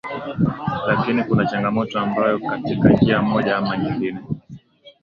lakini kuna changamoto ambao katika njia moja ama nyingine